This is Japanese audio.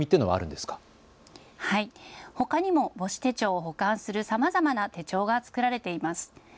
はい、ほかにも母子手帳を補完するさまざまな手帳が作られています。